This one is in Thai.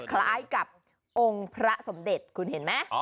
คล้ายกับองค์พระสมเด็จคุณเห็นไหม